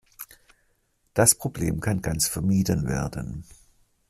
Das Problem kann ganz vermieden werden.